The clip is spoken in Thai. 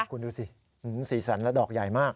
คุณดูสิสีสันแล้วดอกใหญ่มาก